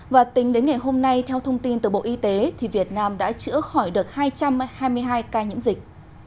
và tính đến ngày hôm nay theo thông tin từ bộ y tế thì việt nam đã chữa khỏi được hai trăm hai mươi hai ca nhiễm dịch